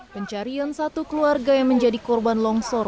pencarian satu keluarga yang menjadi korban longsor